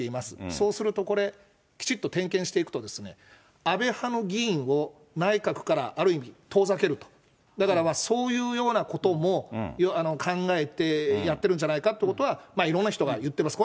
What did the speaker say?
そうするとこれ、きちっと点検していくと、安倍派の議員を内閣からある意味、遠ざけると、ある意味、そういうようなことも考えてやってるんじゃないかってことは、いろんな人が言っています。